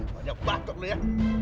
banyak batok lu ya